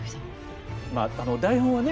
まあ台本はね